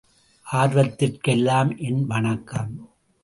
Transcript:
ஆர்வத்திற்கெல்லாம் என் வணக்கம்.